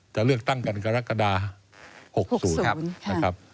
จะเลือกตั้งกันกรกฎาหกศูนย์ครับนะครับ